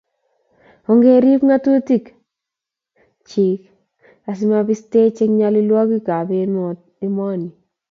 Ogerib ngatutik chik asimapistech eng nyalilwokik ab emoni